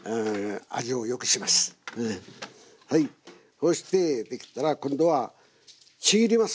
そうしてできたら今度はちぎります